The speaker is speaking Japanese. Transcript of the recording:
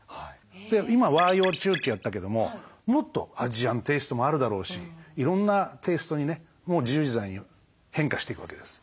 今和洋中ってやったけどももっとアジアンテイストもあるだろうしいろんなテイストにねもう自由自在に変化していくわけです。